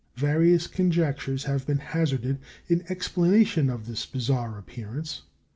Various conjectures have been hazarded in explanation of this bizarre appearance.